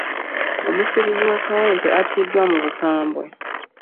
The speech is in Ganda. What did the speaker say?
Omusuubuzi w'e Kawempe attiddwa mu bukambwe